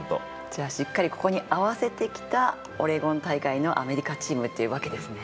じゃ、しっかりここに合わせてきたオレゴン大会のアメリカチームというわけですね。